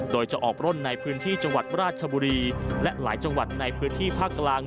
โดยจะออกปร่นในพื้นที่จังหวัดราชบุรีและหลายจังหวัดในพื้นที่ภาคกลาง